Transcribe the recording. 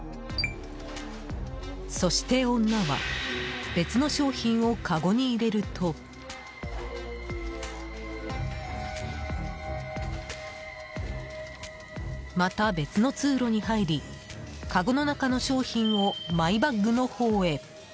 そして女は別の商品を、かごに入れるとまた別の通路に入りかごの中の商品をマイバッグのほうへ。